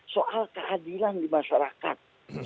soal kehadiran di masyarakat